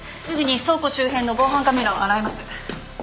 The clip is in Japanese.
すぐに倉庫周辺の防犯カメラを洗います。